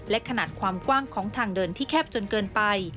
และขนาดความกว้างของทางเดินที่แคบจนเกินไป